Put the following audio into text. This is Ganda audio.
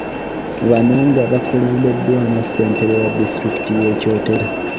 Bano nga bakulembeddwamu ssentebe wa disitulikiti y’e Kyotera.